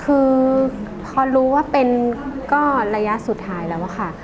คือพอรู้ว่าเป็นก็ระยะสุดท้ายแล้วอะค่ะ